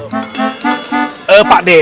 oh ini udah gak ada